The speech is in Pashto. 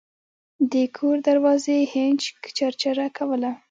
د کور دروازې هینج چرچره کوله.